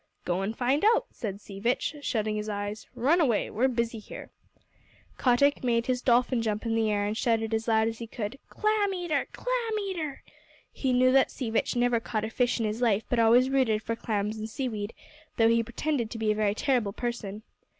"Go and find out," said Sea Vitch, shutting his eyes. "Run away. We're busy here." Kotick made his dolphin jump in the air and shouted as loud as he could: "Clam eater! Clam eater!" He knew that Sea Vitch never caught a fish in his life but always rooted for clams and seaweed; though he pretended to be a very terrible person.